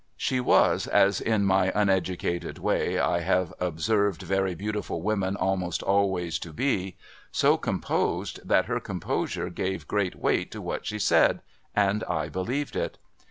She was, as in my uneducated way I have observed, very beautiful women almost always to be, so composed, that her composure gave great weight to what she said, and I believed it.